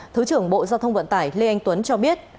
thứ trưởng bộ giao thông vận tải lê anh tuấn cho biết